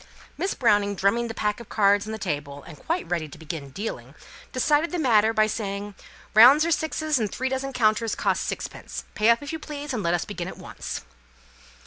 Miss Browning, drumming the pack of cards on the table, and quite ready to begin dealing, decided the matter by saying, "Rounds are sixes, and three dozen counters cost sixpence. Pay up, if you please, and let us begin at once."